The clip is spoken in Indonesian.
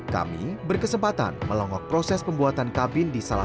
kami berkesempatan melonggok proses pembuatan kabin di kota jerman